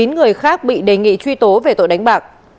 chín người khác bị đề nghị truy tố về tội đánh bạc